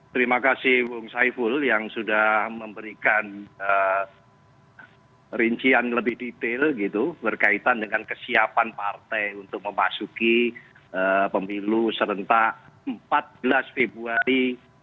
terima kasih bung saiful yang sudah memberikan rincian lebih detail berkaitan dengan kesiapan partai untuk memasuki pemilu serentak empat belas februari dua ribu dua puluh